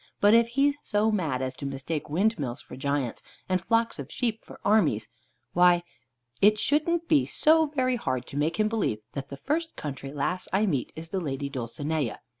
But if he's so mad as to mistake windmills for giants, and flocks of sheep for armies, why, it shouldn't be so very hard to make him believe that the first country lass I meet is the Lady Dulcinea.